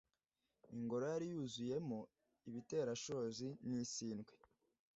ingoro yari yuzuyemo ibiterashozi n'isindwe